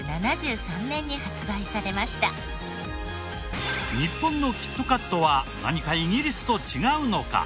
元々は日本のキットカットは何かイギリスと違うのか？